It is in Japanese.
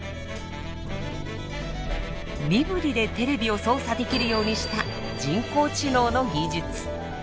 身振りでテレビを操作できるようにした人工知能の技術。